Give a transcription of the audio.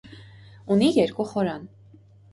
Ունի երկու խորան։